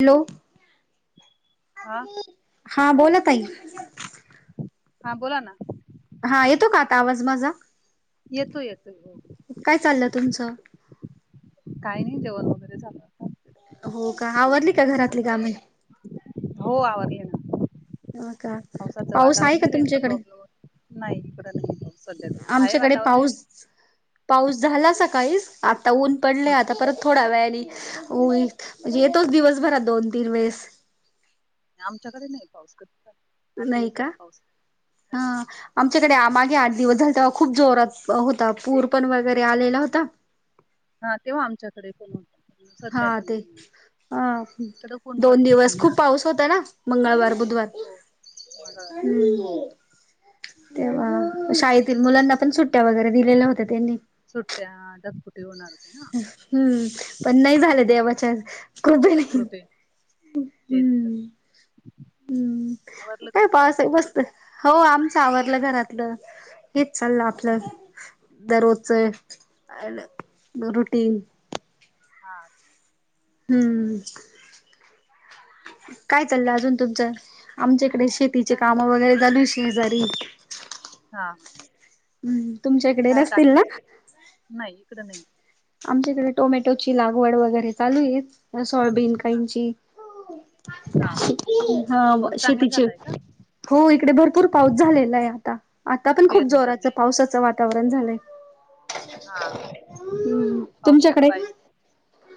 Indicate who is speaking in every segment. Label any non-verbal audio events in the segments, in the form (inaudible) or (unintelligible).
Speaker 1: Hello
Speaker 2: हा
Speaker 1: हा बोला ताई.
Speaker 2: हा बोला ना.
Speaker 1: हा येतो का आता आवाज माझा?
Speaker 2: येतो येतोय हो.
Speaker 1: काय चाललं तुमचं?
Speaker 2: काही नाही जेवण वगैरे झालं आता
Speaker 1: हो का
Speaker 2: बसलोय
Speaker 1: आवरली का घरातली काम?
Speaker 2: हो आवरली ना.
Speaker 1: हो का
Speaker 2: पावसाचं
Speaker 1: पाऊस
Speaker 2: वातावरण
Speaker 1: का
Speaker 2: आहे रेंजचा
Speaker 1: तुमच्याकडे
Speaker 2: प्रॉब्लेम होत नाही इकड नाही सध्या तरी हाय
Speaker 1: आमच्याकडे
Speaker 2: वातावरण पण
Speaker 1: पाऊस पाऊस झाला सकाळीच आता ऊन पडलय
Speaker 2: पण
Speaker 1: आता परत थोडा वेळाने आणि म्हणजे येतोच दिवसभरात दोन तीन वेळेस.
Speaker 2: आमच्याकडे नाही पाऊस कधीचा.
Speaker 1: नाही का हा. आमच्याकडे मागे आठ दिवस झालत खूप जोरात होता पूर पण वगैरे आलेला होता.
Speaker 2: हा तेव्हा आमच्याकडे पण होता. पण
Speaker 1: हा
Speaker 2: सध्या तर
Speaker 1: ते
Speaker 2: नाही
Speaker 1: अ
Speaker 2: इकडं ऊन
Speaker 1: दोन
Speaker 2: पडतंय
Speaker 1: दिवस
Speaker 2: चांगलं
Speaker 1: खूप पाऊस होत ना मंगळवार, बुधवार
Speaker 2: हो मंगळवार हो
Speaker 1: हम्म. तेव्हा शाळेतील मुलांना पण सुट्ट्या वगैरे दिलेल्या होत्या त्यांनी.
Speaker 2: सुट्ट्या हा ढगफुटी होणार होती ना.
Speaker 1: हम्म पण नाही झालं देवच्या कृपेने.
Speaker 2: कृपे तेच तर,
Speaker 1: हम्म
Speaker 2: आवरला तुमच?
Speaker 1: बसत हो आमच आवरलं घरातलं. हेच चाललं आपलं
Speaker 2: हा
Speaker 1: दररोजचं रुटीन.
Speaker 2: हां.
Speaker 1: हम्म. काय चाललं अजून तुमचं? आमच्याकडे शेतीचे
Speaker 2: काय
Speaker 1: काम वगैरे चालू हे शेजारी.
Speaker 2: हां.
Speaker 1: हम्.
Speaker 2: काय टाकच नाही इकडं नाही,
Speaker 1: आमच्याकडे टोमॅटोची लागवड वगैरे चालू आहे, सोयाबीन
Speaker 2: हा
Speaker 1: काहीची
Speaker 2: हा
Speaker 1: हा
Speaker 2: पाऊस चांगला
Speaker 1: शेतीचे
Speaker 2: झालाय का
Speaker 1: हो इकडे भरपूर पाऊस झालेला आहे आता आता पण खूप
Speaker 2: पेरणी करणे
Speaker 1: जोराचं पावसाचं वातावरण झालंय.
Speaker 2: हा
Speaker 1: हम्म
Speaker 2: पाऊसच
Speaker 1: तुमच्याकडे
Speaker 2: पाहिजे.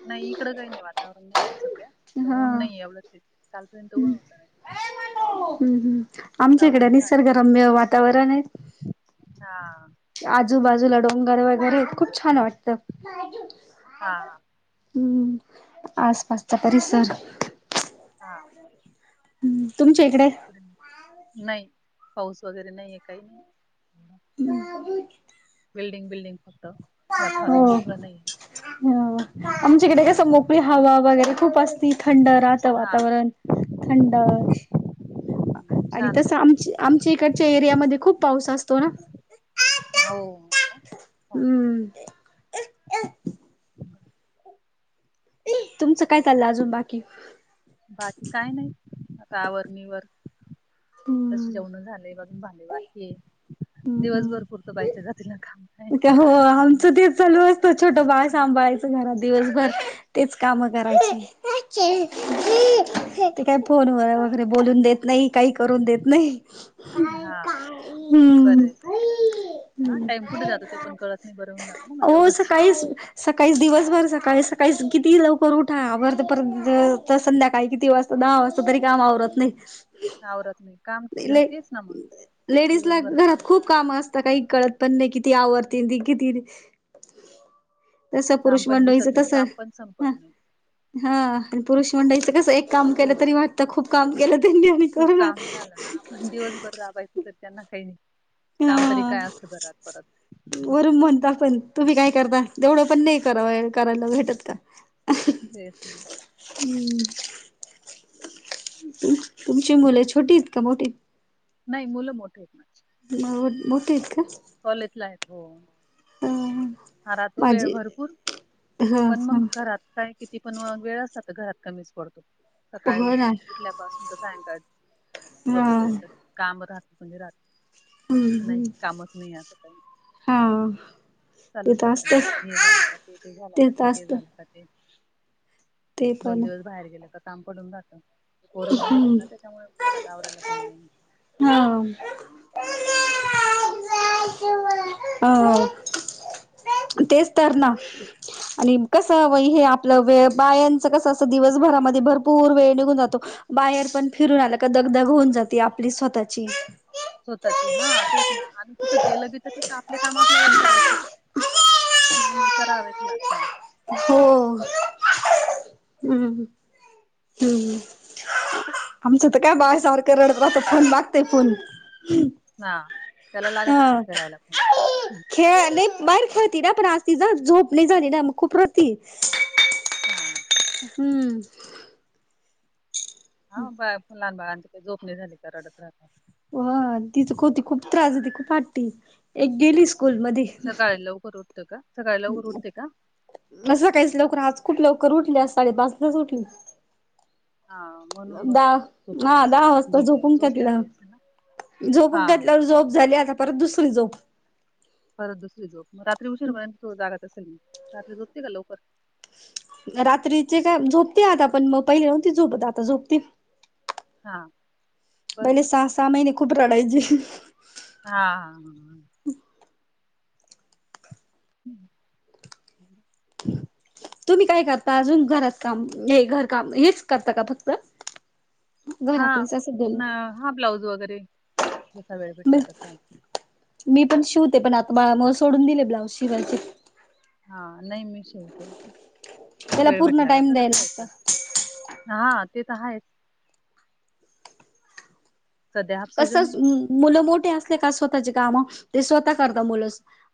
Speaker 2: नाही इकडं काही नाही वातावरण नाही तसं सध्या ऊन नाही एवढंच हे.
Speaker 1: ह् हम्म हम् आमच्या
Speaker 2: वातावरण
Speaker 1: इकडे
Speaker 2: छान
Speaker 1: निसर्गरम्य वातावरण आहे.
Speaker 2: हा.
Speaker 1: आजूबाजूला डोंगर वगैरे खूप छान वाटत.
Speaker 2: हा
Speaker 1: हम्म आसपासचा परिसर
Speaker 2: हा.
Speaker 1: हम्म, तुमच्या इकडे?
Speaker 2: नाही. पाऊस वगैरे नाही आहे काही.
Speaker 1: (unintelligible)
Speaker 2: बिल्डिंग बिल्डिंग फक्त वातावरण
Speaker 1: हो
Speaker 2: मोकळं नाहीय ना
Speaker 1: (unintelligible) समु हवा वगैरे खूप असती. थंड राहत
Speaker 2: हा
Speaker 1: वातावरण थंड आणि
Speaker 2: छान
Speaker 1: कस
Speaker 2: मस्त.
Speaker 1: आमच आमच्या इकडच्या एरियामध्ये खूप पाऊस असतो ना.
Speaker 2: हो. छान
Speaker 1: हम्म. तुमचं काय चाललं अजून बाकी?
Speaker 2: बाकी काय नाही. आता आवर निवर तशी
Speaker 1: हम्म
Speaker 2: जेवण झाले, अजून भांडे बाकीय. दिवसभरपुरतं बायच्या जातील काम. आहे.
Speaker 1: क हो, आमचं तेच चालू असतं, छोटं बाळ
Speaker 2: हा.
Speaker 1: सांभाळायचं घरात दिवसभर. तेच काम करायची. ते काय फोन वर वगैरे, बोलून देत नाही काही करून देत नाही.
Speaker 2: हा
Speaker 1: हम्म
Speaker 2: बरंय ते. हा
Speaker 1: हम्म.
Speaker 2: टाईम कुठे जातो? ते पण कळत नाही. बरवून जात ना म तेवढंच
Speaker 1: (inaudible) सकाळीस दिवसभर सकाळी सकाळी किती भी लवकर उठा, आवरते परंत वेळ होतो. संध्याकाळी किती वाजता दहा वाजता तरी काम आवरत नाही.
Speaker 2: आवरत नाही काम
Speaker 1: ले
Speaker 2: तेच ना मग
Speaker 1: लेडीज ला
Speaker 2: दिवसभर
Speaker 1: घरात
Speaker 2: चालूच
Speaker 1: खूप
Speaker 2: राहत.
Speaker 1: काम अस ता. काही कळत पण नाही. किती आवरतील ती किती तस
Speaker 2: काम
Speaker 1: पुरुष
Speaker 2: पण
Speaker 1: मंडळीच
Speaker 2: दिसत नाही
Speaker 1: तस
Speaker 2: काम पण संपत
Speaker 1: हा
Speaker 2: नाही.
Speaker 1: हा आणि पुरुष मंडळींच कस, एक काम केलं तरी वाटतं खूप काम केलं त्यांनी आणि
Speaker 2: खूप
Speaker 1: करणार
Speaker 2: काम झालं ना, आपण दिवसभर राबायचं तर त्यांना काही नाही.
Speaker 1: हा
Speaker 2: काम तरी काय असतं घरात परत मस्त
Speaker 1: वरून म्हणता पण, तुम्ही काय करता? तेवढंच पण नाही करा करायला भेटत का?
Speaker 2: तेच ना.
Speaker 1: हम्म. तुमची मुलं छोटी आहेत का मोठीत.?
Speaker 2: नाही मुलं मोठीयेत माझी.
Speaker 1: (unintelligible) मोठीत का?
Speaker 2: कॉलेजला आहेत हो.
Speaker 1: ह
Speaker 2: हा राहतो वेळ
Speaker 1: माझी
Speaker 2: भरपूर
Speaker 1: हा
Speaker 2: पण
Speaker 1: हा
Speaker 2: मग घरात कारण किती पण वेळ असला तर घरात कमीच पडतो. सकाळी उ
Speaker 1: हो ना
Speaker 2: उठल्यापासून तर सायंकाळ
Speaker 1: हा
Speaker 2: झोपेपर्यंत काम राहत म्हणजे राहत.
Speaker 1: हम्म
Speaker 2: असं नाही
Speaker 1: हम्म.
Speaker 2: की कामच नाही असं काही.
Speaker 1: हा ते
Speaker 2: चालूच
Speaker 1: तर
Speaker 2: राहत.
Speaker 1: असत
Speaker 2: हे झालं का ते, ते झालं का ते,
Speaker 1: तर
Speaker 2: ते
Speaker 1: असत
Speaker 2: झालं का ते.
Speaker 1: (inaudible)
Speaker 2: दोन
Speaker 1: पण
Speaker 2: दिवस बाहेर गेल, तर काम पडून जात. पोरं बाहेर येत
Speaker 1: हो
Speaker 2: ना, त्याच्यामुळे खरात आवरायला कोण नाहीये.
Speaker 1: हा. (unintelligible)
Speaker 2: (unintelligible)
Speaker 1: हा. तेच तर ना. आणि कसं वय हे आपलं वे बायांच कस अस दिवसभरामध्ये भरपूर वेळ निघून जातो. बाहेर पण फिरून आला का दगदग होऊन जाते आपली स्वतःची.
Speaker 2: स्वतःचे हा तेच ना, आणि कुठं गेलं की तर ते आपले काम आपल्यालाच करायचे. करावायचं लागतात.
Speaker 1: हो हम् हम्. आमचं तर काय बाळ सारखं रडत राहत, फोन लागतेय फोन.
Speaker 2: हा, त्याला लागत असेल
Speaker 1: हा
Speaker 2: खेळायला.
Speaker 1: खेळ नाही बाहेर खेळती ना, पण आज ति ज झोप नाही झाली ना, मग खूप रडती.
Speaker 2: हा.
Speaker 1: हम्म.
Speaker 2: हा बा (unintelligible) फुलहान बागांची काही जोपणी झाली का रडत राहत.
Speaker 1: हो तिच हो ती खूप त्रास देती. खूप हट्टी, एक गेली स्कूल
Speaker 2: हं.
Speaker 1: मध्ये.
Speaker 2: सकाळी लवकर उठत का, सकाळ लवकर उठते का?
Speaker 1: सकाळीच लवकर आज खूप लवकर उठले, आज साडेपाचलाच उठली..
Speaker 2: हा म्हणून मग
Speaker 1: दहा,
Speaker 2: झोपत
Speaker 1: ह
Speaker 2: नाही.
Speaker 1: दहा वाजता
Speaker 2: झोप
Speaker 1: झोपून
Speaker 2: झोप
Speaker 1: टाकलं.
Speaker 2: आली असेल ना? हा
Speaker 1: झोपून घेतल्यावर झोप झाली. आता परत दुसरी झोप.
Speaker 2: परत दुसरी झोप, रात्री उशीरपर्यंत तो जागा असेल, रात्री जोपते का लवकर?
Speaker 1: रात्रीचे काय झोपते आता, पण मग पहिले नव्हती झोपत आता झोपते.
Speaker 2: हां.
Speaker 1: पहिले सहा- सहा महिने खूप राडायचेे.
Speaker 2: हा हा हा.... ह (unintelligible)
Speaker 1: तुम्ही काय करता अजून घरात काम हे घर काम हेच करता का फक्त? (inaudible)
Speaker 2: हा,
Speaker 1: घरातलेच असं
Speaker 2: हा ब्लाऊज वगैरे जसा वेळ भेटला तसा.
Speaker 1: मी पण शिवते पण आता बाळामुळे सोडून दिले ब्लाऊज शिवायचे.
Speaker 2: हा, नाही मी शिवते.
Speaker 1: त्याला
Speaker 2: वेळ
Speaker 1: पूर्ण
Speaker 2: भेटला का
Speaker 1: टाइम
Speaker 2: करत
Speaker 1: द्यायला
Speaker 2: राहायचं.
Speaker 1: लागत
Speaker 2: हा, ते तर आहेच. सध्या हाफ सीझन
Speaker 1: कस
Speaker 2: आहे.
Speaker 1: मुलं मोठे असले का स्वतःचे कामं ते स्वतः करतात मुलं.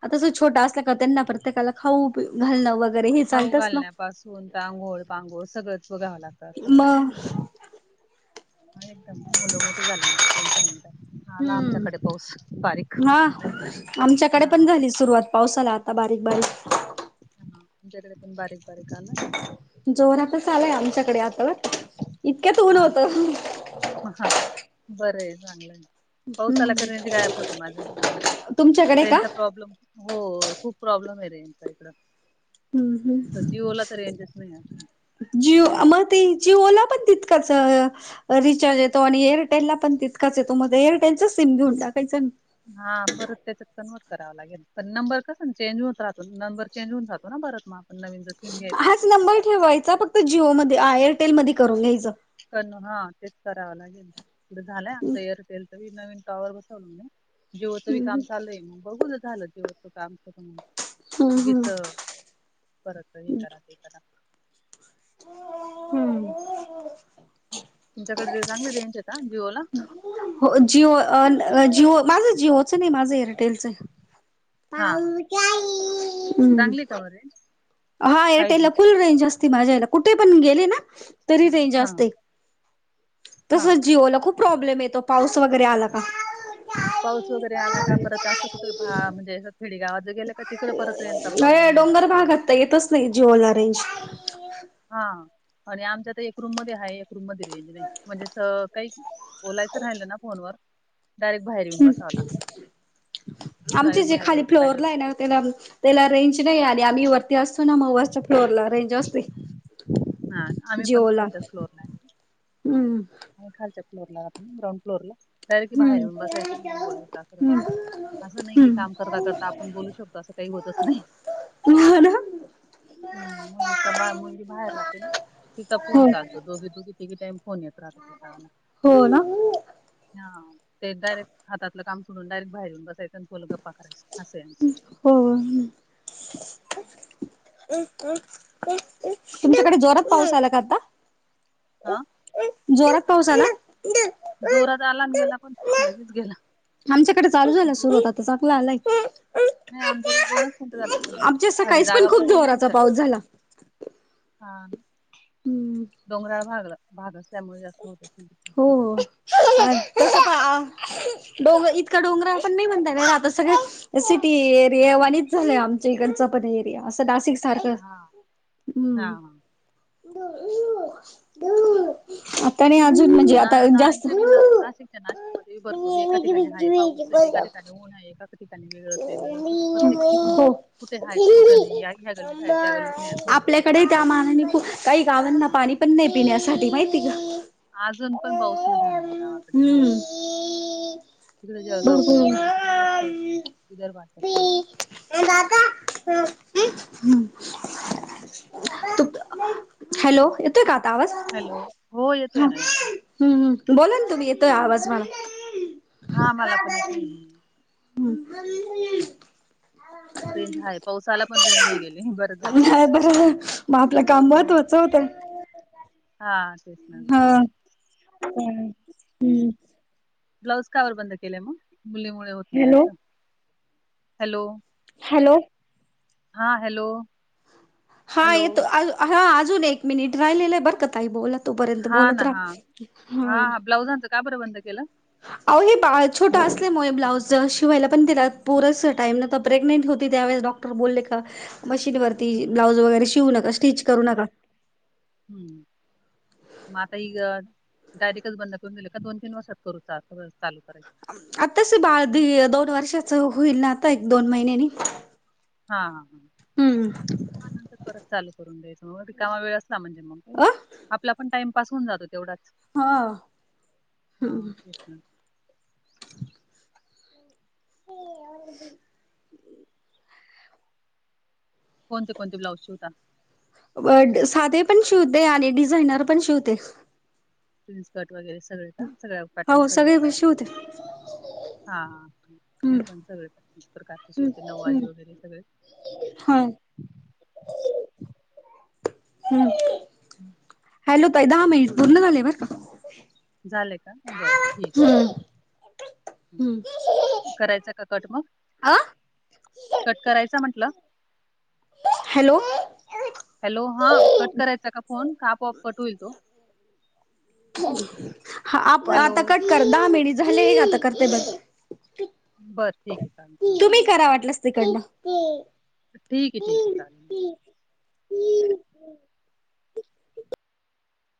Speaker 1: आता जो छोटा असला का त्यांना प्रत्येकाला खाऊ पी घालणं वगैरे हे चालतंच ना.
Speaker 2: पासून आंघोळ- पांघोळ सगळंच बघावं लागतं खर तर.
Speaker 1: मग
Speaker 2: एकदम मुलं मोठी झालं काही टेन्शन नाही रहात, आला
Speaker 1: हम्म
Speaker 2: आमच्याकडे पाऊस बारीक.
Speaker 1: हा
Speaker 2: हा
Speaker 1: आमच्याकडे पण
Speaker 2: हा
Speaker 1: झाली सुरुवात पावसाला आता बारीक बारीक.
Speaker 2: हा आमच्याकडे पण बारीक बारीक आला ना.
Speaker 1: जोरातच आलाय आमच्याकडे आता बर इतक्यात ऊन
Speaker 2: हा
Speaker 1: होत
Speaker 2: का बरंय चांगलंय. पाऊस आला का रेंज गायप होते माझ आमच
Speaker 1: तुमच्याकडे का
Speaker 2: रेंज चा प्रॉब्लेम हो खूप प्रॉब्लेम आहे रेचा इकड.
Speaker 1: हम्म हम्म
Speaker 2: तर जिओला तर रेंजच नाही.
Speaker 1: जिओ मग ते जिओला पण तितकच रिचार्ज येतो आणि एअरटेलला पण तितकाच येतो. मग एरटेलचं सिम घेऊन टाकायचं.
Speaker 2: हा परत त्याच कन्वर्ट कराव लागेल, पण नंबर कस ना चेंज होऊत राहतो. नंबर चेंज होऊन राहातो ना परत मग. आपण नवीन जर सिम घ्यायचा
Speaker 1: हाच
Speaker 2: म्हटलं का
Speaker 1: नंबर ठेवायचा फक्त जिओमध्ये, एरटेलमध्ये करून घ्यायच.
Speaker 2: करण हा तेच करावं लागेल, ईकढं झालंय आमच एअरटेल नवीन टॉवर बसवल ना, जिओ च पण काम
Speaker 1: हम्म
Speaker 2: चाललंय मग बघू झालं जे काम कर उगीच करत हे करा ते करा.
Speaker 1: हम्म.
Speaker 2: तुमच्याकडे चांगली रेंज आहे का जिओ ला?
Speaker 1: हो. जिओ जिओ माझं जिओचं नाही माझं एअरटेलचं आहे.
Speaker 2: हा ह.
Speaker 1: हम्म
Speaker 2: चांगली आहे का मग रेंज?
Speaker 1: हा
Speaker 2: फाय
Speaker 1: एअरटेल ला
Speaker 2: जी ची?
Speaker 1: फुल रेंज असते माझ्याला कुठे पण गेले ना तरी रेंज
Speaker 2: हा
Speaker 1: असते‌.
Speaker 2: हा
Speaker 1: तसच जिओला खूप प्रॉब्लेम येतो. पाऊस वगैरे आला का.
Speaker 2: पाऊस वगैरे आला का. परत असं कुठे भा म्हणजे खेडीगावात. गेलं का तिकडं परत येण्याचा
Speaker 1: अ
Speaker 2: प्रॉब्लेम होणार
Speaker 1: डोंगर
Speaker 2: ज्यो.
Speaker 1: भागात तर येतच नाही जिवोला रेंज.
Speaker 2: हा. आणि आमच्या तर एक रूम मध्ये आहे एक रूम मध्ये रेज नाही म्हणजे काही बोलायचं राहिलं ना फोनवर. डायरेक्ट बाहेर येऊन बसाव लागतं.
Speaker 1: आमचे
Speaker 2: डायरेक्ट
Speaker 1: जे
Speaker 2: बाहेर
Speaker 1: खाली
Speaker 2: यायचं पाहिजे
Speaker 1: फ्लोवरला आहे ना त्याला त्याला रेंज नाही आली. आणि आम्ही वरती असतो ना मग वरच्या फ्लोअरला रेंज असते.
Speaker 2: हा आम्ही पण
Speaker 1: जिओला
Speaker 2: खालच्याच फ्लोरला हाय.
Speaker 1: हम्म.
Speaker 2: आणि खलच्या फ्लोर ला आम्ही ग्राउंड फ्लोरला. डायरेक्ट
Speaker 1: हम्म
Speaker 2: बाहेरून बसायचं आणि मग बोलायचं असं नाही की
Speaker 1: हम्म
Speaker 2: काम करता करता आपण बोलू शकतो. असं काही होतच नाही‌.
Speaker 1: हो ना.
Speaker 2: हम्. मुलीचा बा मुलगी बाहेर राहते. तिचा फोन
Speaker 1: हो
Speaker 2: चालतो दोघी दोघी तिघे टाईम फोन येत राहतो तिना.
Speaker 1: हो ना.
Speaker 2: हा. ते डायरेक्ट हातलं काम सोडून डायरेक्ट बाहेरून बसायचं तोला गप्पा करायचं. अस हाय आमचं.
Speaker 1: हो. तुमच्याकडे जोरात पाऊस आला का आता?
Speaker 2: हा
Speaker 1: जोरात पाऊस आला.
Speaker 2: जोरात आला आणि गेला पण. लगेच गेला.
Speaker 1: आमच्याकडे चालू झाला
Speaker 2: दोन-
Speaker 1: सुरुवात चांगला आलाय.
Speaker 2: नाही. आमच्याकडे दोनच मिंटं झालं‌ पडलं
Speaker 1: आमच्या
Speaker 2: खाली
Speaker 1: सकाळीच
Speaker 2: जागा
Speaker 1: खूप
Speaker 2: पण ओली नाही
Speaker 1: जोराचा
Speaker 2: झाली.
Speaker 1: पाऊस झाला.
Speaker 2: हा‌.
Speaker 1: हम्म
Speaker 2: डोंगराळ भागला भाग असल्यामुळे जास्त होत
Speaker 1: हो. डो इतका डोंगराळ पण नाही म्हणता नाही आता सगळं सिटी
Speaker 2: हा.
Speaker 1: वाच झालंय आमच्या इकडचा पण एरिया असं सारखं.
Speaker 2: हा हा
Speaker 1: हम्म.
Speaker 2: हा.
Speaker 1: आता नी अ
Speaker 2: ते
Speaker 1: म्हणजे
Speaker 2: ना
Speaker 1: आता
Speaker 2: ना
Speaker 1: जास्त
Speaker 2: इथं बी ना
Speaker 1: हो.
Speaker 2: नाशिकच्या नाशिकमध्ये भरपूर एका ठिकाणी हाय पाऊस आहे एका ठिकाणी ऊन आहे एका ठिकाणी वेगळंच वेगळं असं प्रत्येक ठिक- कुठे हाय तर कुठे नाही या ह्या गल्लीत हाय त्या गल्लीत नाही असं होऊन गेले
Speaker 1: आपल्याकडे त्या
Speaker 2: पावसात.
Speaker 1: मानानी काही गावांना पाणी पण नाही पिण्यासाठी माहिती का?
Speaker 2: अजून पण पाऊस नाही झाला गावाकडे. हो.
Speaker 1: हम्म.
Speaker 2: तिकडे जळगाव कडे वगैरे
Speaker 1: भरपूर.
Speaker 2: तिकडे जास्त विदर्भातात
Speaker 1: हम्. तू हॅलो. येतोय का आता आवाज?
Speaker 2: हॅलो हो येतोय ना येतोय
Speaker 1: हम्मम. बोला ना तुम्ही येतोय आवाज मला.
Speaker 2: हा. मला पण येतोय.
Speaker 1: (unintelligible)
Speaker 2: रेंज हाय पावसाला पण रेंज नाही गेली बरं झालं
Speaker 1: नाही
Speaker 2: तेच.
Speaker 1: बरं मग आपलं काम मत होत चौता
Speaker 2: हां
Speaker 1: हा हम्म
Speaker 2: ब्लाऊज कावर बंद केलंय मग मुलीमुळे होत नाही
Speaker 1: हॅलो
Speaker 2: असं हॅलो
Speaker 1: हॅलो
Speaker 2: हा हॅलो
Speaker 1: हा
Speaker 2: हॅलो
Speaker 1: येतो हा अजून एक मिनिट राहिलेलं आहे बरका तई बोला. तोपर्यंत
Speaker 2: हा
Speaker 1: बोलत राहा हा.
Speaker 2: काबर बंद केला?
Speaker 1: अह हे बा छोटं असलेमुळे ब्लाउज शिवायला पण पुर टाईम ना प्रेग्नेंट होती त्यावेळेस डॉक् र बोलले का मशीनवररती ब्लाउज वगैरे शिवू नका स्टिच करू नका.
Speaker 2: हम्म हम मग आता इ डायरेक्टच बंद करून गेले का दोन तीन वासात करू चालू करायच
Speaker 1: आताच बाळ ध दोन वर्षाच होईल ना आता एक दोन महिनेनी.
Speaker 2: हा ह हा
Speaker 1: हम्म हम
Speaker 2: हा नंतर परत चालू करून द्यायचं मग रिकामा वेळ म्हणजे मग का
Speaker 1: अ
Speaker 2: आपला पण टाइम पास होऊन जातो तेवढाच. हा तेच ना
Speaker 1: ह अदी
Speaker 2: कोणते कोणते ब्लाउज शिवता?
Speaker 1: साधे पण शिवते आणि डिझायनर पण शिवते.
Speaker 2: प्रिन्स कट वगैरे सगळे का सगळ पॅटर्न
Speaker 1: हो
Speaker 2: सगळे.
Speaker 1: पण शिवते
Speaker 2: हा मी
Speaker 1: हम्म
Speaker 2: पण सगळे प्रकारचे शे होते नऊवारी
Speaker 1: हम्म
Speaker 2: वगैरे सगळे.
Speaker 1: हा हम्
Speaker 2: हम्म
Speaker 1: हॅलो ताई दहा मिनट पूर्ण झाले बर का.
Speaker 2: झाले का बरं. ठीक आहे.
Speaker 1: हम्म
Speaker 2: ठीक आहे. हं.
Speaker 1: हम्म
Speaker 2: करायचा का कट मग
Speaker 1: अ
Speaker 2: कट करायचा म्हंटलं?
Speaker 1: हॅलो
Speaker 2: हॅलो हा कट करायचा का फोन का आपोआप कट होईल तो.
Speaker 1: ह आप
Speaker 2: हॅलो?
Speaker 1: आता कट कर दहा मिनिट झाले आता करते बर
Speaker 2: बरं ठीक आहे चालेल. हां.
Speaker 1: तुम्ही करा वाटलस तिकंन
Speaker 2: ठीक आहे ठीक आहे चालेलं